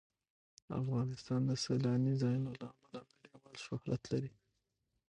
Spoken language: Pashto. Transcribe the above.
افغانستان د سیلاني ځایونو له امله نړیوال شهرت لري.